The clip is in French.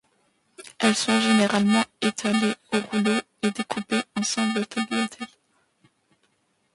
Elles sont généralement étalées au rouleau et découpées en simples tagliatelles.